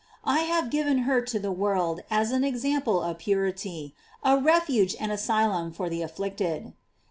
I have given her to the world as an ex> ample of purity, a refuge and asylum for the afflicted.